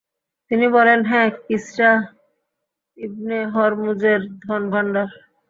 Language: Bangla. তিনি বলেন, হ্যাঁ, কিসরা ইবনে হুরমুজের ধনভাণ্ডার।